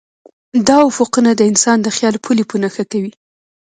دا افقونه د انسان د خیال پولې په نښه کوي.